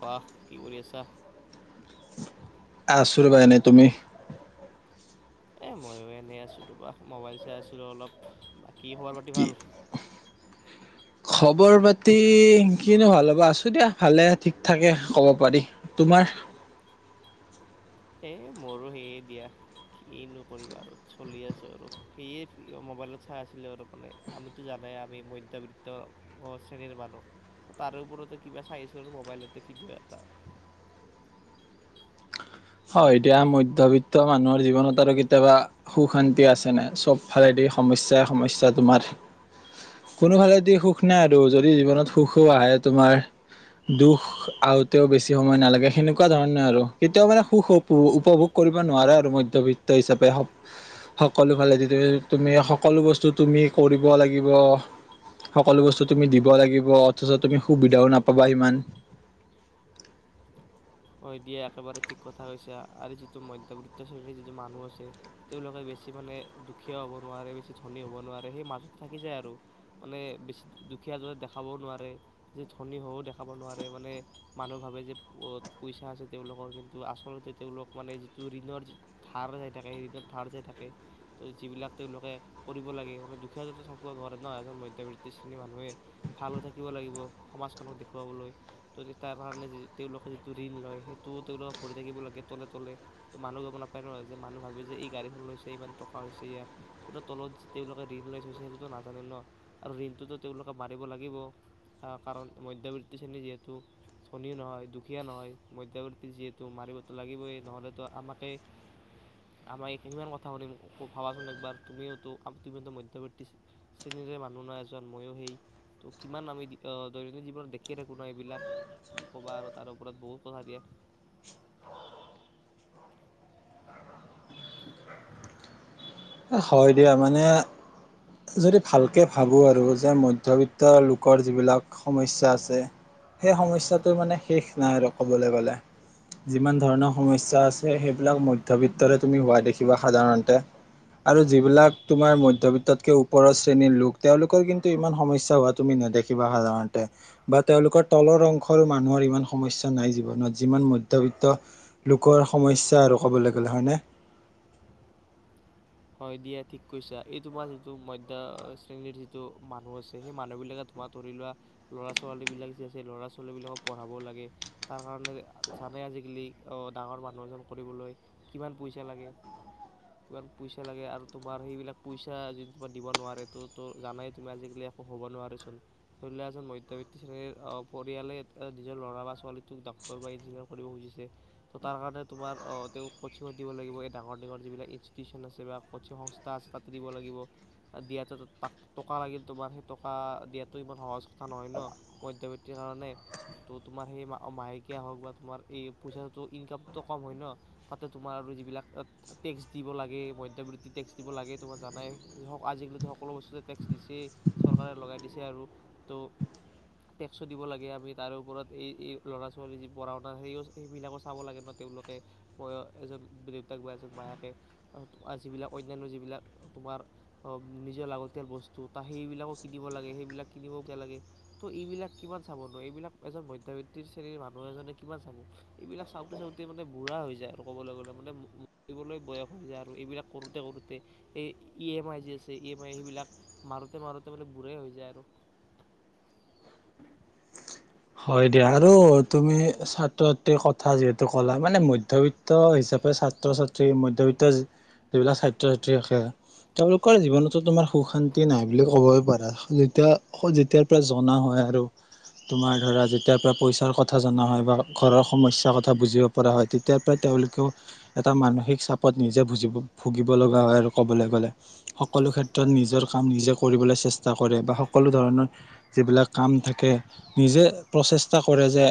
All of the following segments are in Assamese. বাহ কি কৰি আছা? [unintelligible] এ, ময়ো এনেই আছো ৰবা মোবাইল চাই আছিলো অলপ। কি খবৰ পাতি কি ভাল? খবৰ পাতি কিনো ভাল হ'ব, আছো দিয়া ভালে ঠিক থাকে কব পাৰি তোমাৰ? এ, মোৰো সেয়ে দিয়া কিনো কৰিবা আৰু চলি আছো আৰু সেয়ে মোবাইলত চাই আছিলো আৰু মানে আমিতো জানাই আমি মধ্যবৃত্ত শ্ৰেণীৰ মানুহ ত, তাৰে ওপৰতে কিবা চাইছো আৰু মোবাইলতে ভিডিঅ' এটা। হয়, এতিয়া মধ্য়বিত্ত মানুহৰ জীৱনত আৰু কেতিয়াবা সুখ- শান্তি আছে নে, চব ফালেদি সমস্যাই- সমস্যা তোমাৰ, কোনো ফালেদি সুখ নাই আৰু যদি জীৱনত সুখো আহে তোমাৰ দুখ আহোতেও বেছি সময় নালাগে সেনেকুৱা ধৰণে আৰু কেতিয়াও মানে, সুখ উপ- উপভোগ কৰিব নোৱাৰা আৰু মধ্যবিত্ত হিচাপে সকলো ফালে তুমি সকলো বস্তু তুমি কৰিব লাগিব, সকলো বস্তু তুমি দিব লাগিব, অথচ তুমি সুবিধাও নাপাবা সিমান। হয় দিয়া একেবাৰে ঠিক কথা কৈছা আৰু যিটো মধ্যবৃত্ত শ্ৰেণীৰ যিটো মানুহ আছে তেওঁলোকে বেছি মানে দুখীয়া হ'ব নোৱাৰে, বেছি ধনী হ'ব নোৱাৰে, সেই মাজত থাকি যায় আৰু মানে বেছি দুখীয়া দৰে দেখাবও নোৱাৰে, ধনী হও দেখাব নোৱাৰে মানে মানুহ ভাবে যে বহুত, পইচা আছে তেওঁলোকৰ, কিন্তু আচলতে তেওঁলোক মানে যিটো ঋণৰ যি ধাৰ যাই থাকে, ঋণৰ ধাৰ যাই থাকে তো যিবিলাক তেওঁলোকে কৰিব লাগে মানে, দুখীয়া থাকিব নোৱাৰে ন', এজন মধ্যবিত্ত শ্ৰেণীৰ মানুহে ভালো থাকিব লাগিব, সমাজখনক দেখুৱাবলৈ ত' তাৰ কাৰণে য তেওঁলোকে, ঋণ লয় সেইটোও তেওঁলোকে ভৰি থাকিব লাগে তলে তলে। তো, মানুহ গম নাপায় নহয় যে মানুহ ভাবে যে এই গাড়ীখন লৈছে ইমান টকা হৈছে ইয়াৰ কিন্তু তলত যে তেওঁলোকে ঋণ লৈ থৈছে সেইটোতো নাজানে ন, আৰু ঋণটোতো তেওঁলোকে মাৰিব লাগিব কাৰণ মধ্যবৃত্তি শ্ৰেণী যিহেতু ধনী নহয় দুখীয়া, খীয়া নহয় মধ্যবৰ্তী যিহেতু মাৰিবতো লাগিবই নহ'লেতো আমাকে আমাক কিমান কথা শুনিম ভাবাচোন একবাৰ তুমিওতো -তুমিওতো মধ্যবৰ্তী শ্ৰেণীৰে মানুহ নহ এজন ময়ো সেই, ত' কিমান আমি দৈনন্দিন জীৱনত দেখি থাকো ন', এইবিলাক কি ক'বা। তাৰ ওপৰত বহুত কথা দিয়া। হয় দিয়া মানে যদি ভালকে ভাবোঁ আৰু যে মধ্যবিত্ত লোকৰ যিবিলাক সমস্যা আছে সেই সমস্যাটো মানে শেষ নাই আৰু ক'বলৈ গ'লে। যিমান ধৰণৰ সমস্যা আছে সেইবিলাক মধ্যবিত্তৰে তুমি হোৱা দেখিবা সাধাৰণতে। আৰু যিবিলাক তোমাৰ মধ্যবিত্ততকে ওপৰৰ শ্ৰেণীৰ লোক তেওঁলোকৰ কিন্তু ইমান সমস্যা হোৱা তুমি নেদেখিবা সাধাৰণতে বা তেওঁলোকৰ তলৰ অংশৰো মানুহৰ ইমান সমস্যা নাই জীৱনত যিমান মধ্যবিত্ত লোকৰ সমস্যা আৰু কবলৈ গ'লে হয়নে? হয় দিয়া, ঠিক কৈছা এই তোমাৰ যিটো মধ্য শ্ৰেণীৰ যিটো মানুহ আছে সেই মানুহবিলাকে তোমাৰ ধৰি লোৱা ল'ৰা -ছোৱালী বিলাক যে আছে ল'ৰা- ছোৱালীবিলাকক পঢ়াবও লাগে, তাৰ কাৰণে জানে আজিকালি অ', ডাঙৰ মানুহ এজন কৰিবলৈ কিমান পইচা লাগে কিমান, পইচা লাগে আৰু তোমাৰ সেইবিলাক পইচা যদি তোমাৰ দিব নোৱাৰে তো -তো জানাই তুমি আজিকালি একো হ'ব নোৱাৰেচোন। ধৰি লোৱা এজন মধ্যবিত্ত শ্ৰেনীৰ পৰিয়ালে নিজৰ ল'ৰা বা ছোৱালীটোক ডক্টৰ বা ইঞ্জিনিয়াৰ কৰিব খুজিছে ত' তাৰ কাৰণে তোমাৰ তেওঁক কচিঙত দিব লাগিব এই ডাঙৰ -ডিঙৰ যিবিলাক ই, টিউশন আছে বা ক'চিং সংস্থা আছে তাতে দিব লাগিব, দিয়াটো টকা লাগিল তোমাৰ সেই টকা দিয়াটো ইমান সহজ কথা নহয় ন', মধ্যবিত্তিৰ কাৰণে ত' তোমাৰ সেই মাহেকীয়া হওক বা তোমাৰ এই পইচাটো ইনকামটো কম হয় ন', তাতে তোমাৰ আৰু যিবিলাক টেক্স, দিব লাগে মধ্যবিত্তি টেক্স দিব লাগে তোমাক জানাই। আজিকালিতো সকলো বস্তুতে টেক্স দিছেই চৰকাৰে লগাই দিছে আৰু তো, টেক্সো দিব লাগে আমি তাৰে ওপৰত এই -এই ল'ৰা ছোৱালীৰ যি পঢ়া শুনা সেই- সেইবিলাকো চাব লাগে ন ', তেওঁলোকে বয় এজন দেউতাক বা এজন মাক, যিবিলাক অন্যান্য যিবিলাক তোমাৰ নিজৰ লাগতিয়াল বস্তু ত, সেইবিলাকো কিনিব লাগে। সেইবিলাক কিনিবগে লাগে ত' এইবিলাক কিমান চাব ন', এইবিলাক এজন মধ্যবিত্তিৰ শ্ৰেণীৰ মানুহ এজনে কিমান চাব এইবিলাক চাওঁতে- চাওঁতে মানে বুঢ়া হৈ যায় আৰু ক'বলৈ গ'লে মানে, বয়স হৈ যায় আৰু এইবিলাক কৰোতে- -কৰোতে এই, ই -এম -আই যি আছে ই- এম -আই সেইবিলাক মাৰোতে -মাৰোতে মানে বুঢ়াই হৈ যায় আৰু, হয় দিয়া আৰু তুমি ছাত্ৰ- ছাত্ৰীৰ কথা যিহেতু ক'লা মানে মধ্যবিত্ত হিচাপে ছাত্ৰ - ছাত্ৰী, মধ্যবিত্ত যিবিলাক ছাত্ৰ- ছাত্ৰী থাকে তেওঁলোকৰ জীৱনতো তোমাৰ সুখ- শান্তি নাই বুলি ক'বই পাৰা, যেতিয়া- যেতিয়াৰ পৰা জনা হয় আৰু তোমাৰ, ধৰা যেতিয়াৰ পৰা পইচাৰ কথা জনা হয় বা ঘৰৰ সমস্যাৰ কথা বুজিব পৰা হয় তেতিয়াৰ পৰাই তেওঁলোকেও এটা মানসিক চাপত নিজে বুজিব ভুগিব লগা হয় আৰু ক'বলৈ গ'লে। সকলো ক্ষেত্ৰত নিজৰ কাম নিজে কৰিবলৈ চেষ্টা কৰে বা সকলো ধৰণৰ যিবিলাক কাম থাকে নিজে, প্ৰচেষ্টা কৰে যে,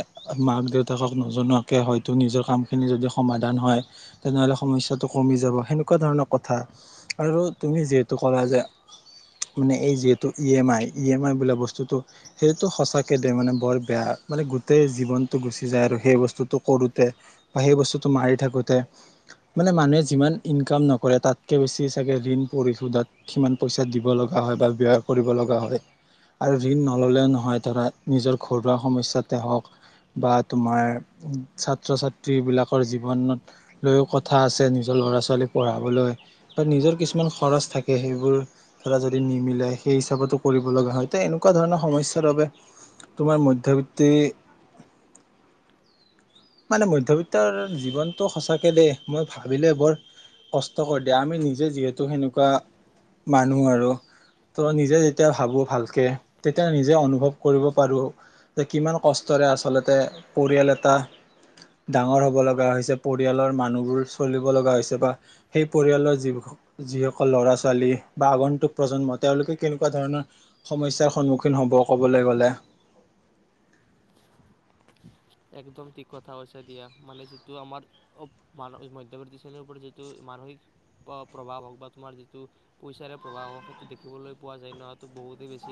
মাক- দেউতাকক নজনোৱাকে হয়তো নিজৰ কামখিনি যদি সমাধান হয়, তেনেহ'লে সমস্যাটো কমি যাব সেনেকুৱা ধৰণৰ কথা আৰু তুমি যিহেতু ক'লা যে মানে, এই যিহেতু E - M -I, E - M -I বোলা বস্তুটো সেইটো সঁচাকৈ দে মানে বৰ, বেয়া মানে গোটেই জীৱনটো গুচি যায় আৰু সেই বস্তুটো কৰোতে বা সেই বস্তুটো মাৰি থাকোতে মানে মানুহে যিমান ইনকাম নকৰে তাতকে বেছি চাগে ঋণ পঢ়িহুধট সিমান পইচা দিব লগা হয় বা ব্যয় কৰিব লগা হয় আৰু ঋণ নললেও নহয় ধৰা নিজৰ, ঘৰুৱা সমস্যাতে হওক বা তোমাৰ ছাত্ৰ- -ছাত্ৰীবিলাকৰ জীৱনত লৈও কথা আছে নিজৰ ল'ৰা -ছোৱালী পঢ়াবলৈ বা নিজৰ কিছুমান খৰচ থাকে সেইবোৰ ধৰা যদি নিমিলে সেই হিচাপতো কৰিবলা হয় তে এনেকুৱা ধৰণৰ সমস্যাৰ বাবে, তোমাৰ মধ্যবিত্তি মানে মধ্যবিত্তৰ জীৱনটো সঁচাকে দেই মই ভাবিলে বৰ কষ্ট কৰি দিয়ে আমি নিজে যিহেতু সেনেকুৱা মানুহ আৰু ত' নিজে যেতিয়া ভাবো ভালকে তেতিয়া নিজে অনুভৱ কৰিব, পাৰোঁ যে কিমান কষ্টৰে আচলতে পৰিয়াল ডাঙৰ হ'ব লগা হৈছে, পৰিয়ালৰ মানুহবোৰ চলিব লগা হৈছে বা সেই পৰিয়ালৰ যিসকল ল'ৰা -ছোৱালী বা আগন্তুক প্ৰজন্ম তেওঁলোকে কেনেকুৱা ধৰণৰ সমস্যাৰ সন্মুখীন হ'ব ক'বলৈ গ'লে? একদম ঠিক কথা কৈছ দিয়া মানে যিটো আমাৰ মান মধ্যবৰ্তী শ্ৰেণীৰ ওপৰত যিটো মানসিক প্ৰভাৱ হওক বা তোমাৰ যিটো পইচাৰে প্ৰভাৱ হওক সেইটো দেখিবলৈ পোৱা যায় নটো বহুতেই বেছি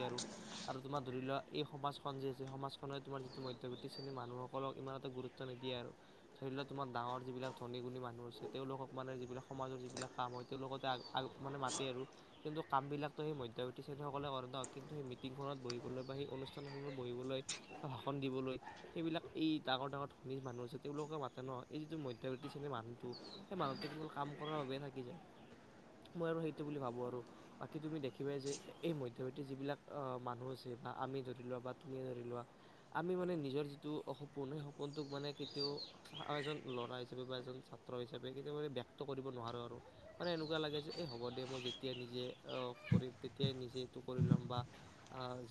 আৰু তোমাৰ ধৰি লোৱা এই সমাজখন যি আছে সমাজখনে তোমাৰ যিটো মধ্যবৰ্তি শ্ৰেণীৰ মানুহ হওক, সকলক ইমান এটা গুৰুত্ব নিদিয়ে আৰু ধৰি লওক তোমাৰ ডাঙৰ যিবিলাক ধনী -গুণী মানুহ আছে তেওঁলোকক মানে যিবিলাক সমাজৰ যিবিলাক কাম হয় তেওঁলোকক আগ, মানে মাতে আৰু কিন্তু কামবিলাকতো সেই মধ্যবৰ্তী শ্ৰেণীসকলে কৰে ন, কিন্তু সেই মিটিংখনত বহিবলৈ বা সেই অনুষ্ঠানখনত বহিবলৈ ভাষণ দিবলৈ সেইবিলাক, এই ডাঙৰ -ডাঙৰ ধনী মানুহ আছে তেওঁলোকে মাতে ন, এই যিটো মধ্যবৃত্তী শ্ৰেণীৰ মানুহটো সেই মানুহটো কেৱল কাম কৰাৰ বাবে থাকি যায়, মই আৰু সেইটো বুলি ভাবোঁ আৰু বাকী তুমি দেখিবাই যে এই মধ্যবৃত্তী যিবিলাক মানুহ আছে বা আমি ধৰি লোৱা বা তুমি ধৰি লোৱা আমি মানে নিজৰ যি, টো সপোন সেই সপোনটোক মানে কেতিয়াও এজন ল'ৰা হিচাপে বা এজন ছাত্ৰ হিচাপে কেতিয়াও ব্যক্ত কৰিব নোৱাৰোঁ। আৰু মানে এনেকুৱা লাগে যে এই হ'ব দে মই যেতিয়া নিজে কৰিম তেতিয়াই নিজে এইটো কৰি ল'ম বা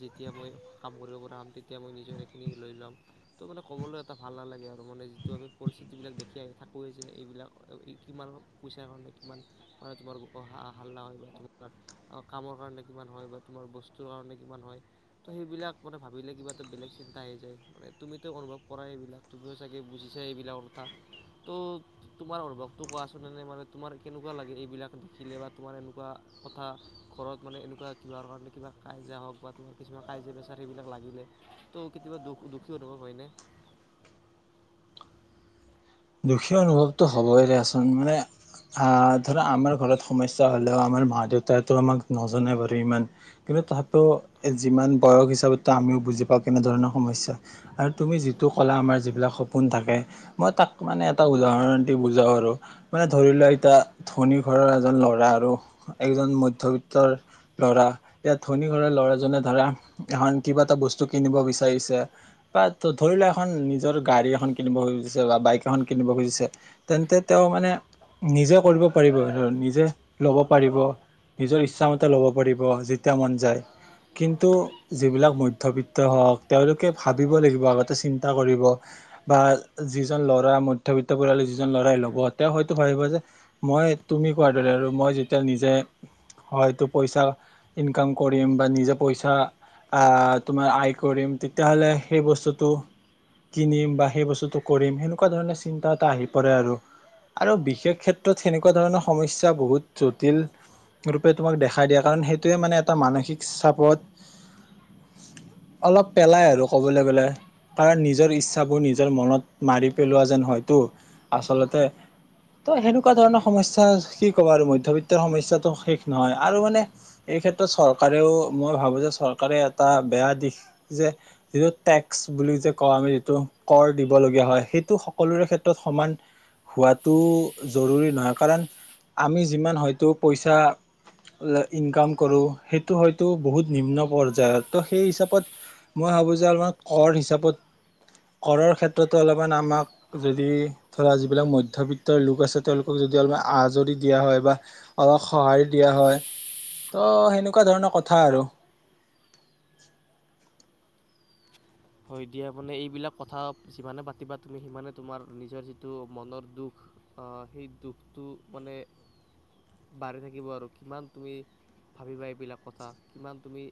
যেতিয়া মই কাম কৰিব পৰা হ'ম তেতিয়া মই নিজে সেইখিনি লৈ ল'ম। তো মানে ক'বলৈ এটা ভাল নালাগে আৰু মানে যিটো আমি পৰিস্থিতিবিলাক দেখি আহি থাকোঁৱেই যে, এইবিলাক কিমান পইচাৰ কাৰণে, কিমান মানে তোমাৰ হাল্লা হয় বা তোমাৰ কামৰ কাৰণে কিমান হয় বা তোমাৰ বস্তুৰ কাৰণে কিমান হয় ত' সেইবিলাক মানে ভাবিলে কিবা এটা বেলেগ চিন্তা হৈ যায় মানে, তুমিতো অনুভৱ কৰা এইবিলাক। তুমিও চাগে বুজিছা এইবিলাকৰ কথা তো, তোমাৰ অনুভৱটো কোৱাচোন? এনে মানে তোমাৰ কেনেকুৱা লাগে এইবিলাক দেখিলে বা তোমাৰ এনেকুৱা কথা ঘৰত মানে এনেকুৱা কিবাৰ কাৰণে কিবা কাইজা হওক বা তোমাৰ কিছুমান কাইজা পেচাৰ সেইবিলাক লাগিলে তো কেতিয়াবা দুখ- দুখ, কি অনুভব হয়নে? দুখীয়া অনুভৱতটো হ'বই দিয়াচোন, মানে আহ, ধৰা আমাৰ ঘৰত সমস্যা হ'লেও আমাৰ মা দেউতাইটো আমাক নজনাই বাৰু ইমান, কিন্তু তথাপিও যিমান বয়স হিচাপেতো আমিও বুজি পাওঁ, কেনেধৰণৰ সমস্যা আৰু তুমি যিটো কলা আমাৰ যিবিলাক সপোন থাকে মই তাক, টো, মানে এটা উদাহৰণ দি বুজাও আৰু মানে, - ধৰি লোৱা এতিয়া ধনী ঘৰৰ এজন ল'ৰা আৰু একজন মধ্যবিত্তৰ ল'ৰা এয়া ধনী ঘৰৰ ল'ৰাজনে ধৰা এখন কিবা এটা বস্তু কিনিব বিচাৰিছে বা ধৰি লোৱা এখন নিজৰ গাড়ী এখন কিনিব খুজিছে বা বাইক, খন কিনিব খুজিছে তেন্তে তেওঁ মানে নিজে কৰিব পাৰিব নিজে ল'ব পাৰিব নিজৰ ইচ্ছা মতে ল'ব পাৰিব, যেতিয়া মন যায়। কিন্তু যিবিলাক মধ্যবিত্ত হওঁক তেওঁলোকে ভাবিব লাগিব আগতে চিন্তা কৰিব বা যিজন লৰা, ধৰা মধ্যবিত্ত পৰিয়াল যিজন ল'ৰাই ল'ব, তেওঁ হয়তো ভাবিব যে, মই তুমি কোৱাৰ দৰে আৰু মই যেতিয়া নিজে হয়তো পইচা ইনকাম কৰিম, বা নিজে পইচা আয় কৰিম, তেতিয়াহলে সেই বস্তুটো কিনিম বা সেই বস্তুতটো কৰিম সেনে, তেনেকুৱা ধৰণৰ চিন্তা এটা আহি পৰে আৰু আৰু বিশেষ ক্ষেত্ৰত সেনেকুৱা ধৰণৰ সমস্যা বহুত জটিল ৰূপে তোমাক দেখা দিয়ে। কাৰণ সেইটোৱে মানে এটা মানসিক চাপত অলপ পেলাই আৰু ক'বলৈ গলে কাৰণ নিজৰ ইচ্ছাবোৰ নিজৰ মনত মাৰি, পেলোৱা যেন হয়টো আচলতে। ত, সেনেকুৱা ধৰণৰ সমস্যা কি ক'বা আৰু মধ্যবিত্তৰ সমস্যাটো শেষ নহয় আৰু মানে এই ক্ষেত্ৰত চৰকাৰেও মই ভাবো যে চৰকাৰে এটা বেয়া দিশ যে, যিটো টেক্স বুলি যে কওঁ আমি যিটো কৰ দিব লগীয়া হয়, টো সকলোৰে ক্ষেত্ৰত সমান, হোৱাতো, জৰুৰী নহয় কাৰণ আমি যিমান হয়তো পইচা ইনকাম কৰোঁ সেইটো হয়তো বহুত নিম্ন পৰ্যায়ৰ তো সেই হিচাপত মই ভাবোঁ যে অলপমান কৰ হিচাপত কৰৰ ক্ষেত্ৰতো অলপমান আমাক যদি ধৰা যিবিলাক মধ্যবিত্তৰ লোক আছে তেওঁলোকক যদি অলপমান আজৰি দিয়া হয় বা অলপ- সঁহাৰি দিয়া হয়। ত' সেনেকোৱা ধৰণৰ কথা আৰু। হয় দিয়া মানে এইবিলাক কথা যিমানে পাতিবা তুমি সিমানে তোমাৰ নিজৰ যিটো মনৰ দুখ সেই দুখটো মানে বাঢ়ি থাকিব আৰু কিমান তুমি ভাবিবা এইবিলাক কথা কিমান তুমি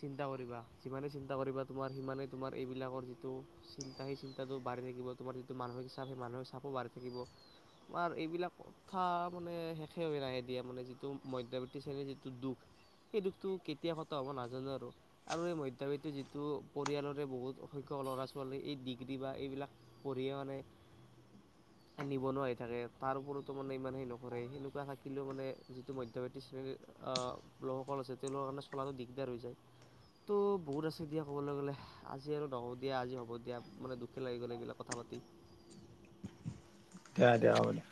চিন্তা কৰিবা যিমানে চিন্তা কৰিবা তোমাৰ সিমানে তোমাৰ এইবিলাকৰ যিটো চিন্তা সেই চিন্তাটো বাঢ়ি থাকিব তোমাৰ যিটো মানসিক চাপ সেই মানসিক চাপো বাঢ়ি থাকিব তোমাৰ এইবিলাক কথা মানে শেষে হৈ নাহে এ দিয়া মানে যিটো মধ্যয়বিত্তি শ্ৰেণীৰ যিটো দুখ সেই দুখটো কেতিয়া খতম হ'ব নাজানো আৰু এই মধ্যবিত্ত যিটো পৰিয়ালৰে বহুত সংখ্যক ল'ৰা ছোৱালী এই ডিগ্ৰী বা এইবিলাক পঢ়িয়ে মানে নিবনুৱা হৈ থাকে তাৰ ওপৰতো মানে ইমান সেই নকৰে সেনেকোৱা থাকিলেও মানে যিটো মধ্যবিত্ত শ্ৰেণীৰ লোকসকল আছে তেওঁলোকৰ কাৰণে চলাটো দিগদাৰ হৈ যায় ত' বহুত আছে দিয়া ক'বলৈ গ'লে আজি আৰু নকও দিয়া আজি হ'ব দিয়া মানে দুখেই লাগি গ'ল এইবিলাক কথা পাতি দিয়া দিয়া হব দিয়া